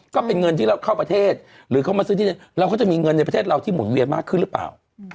ก็เป็นเงินที่เราเข้าประเทศหรือเขามาซื้อที่เราก็จะมีเงินในประเทศเราที่หมุนเวียนมากขึ้นหรือเปล่า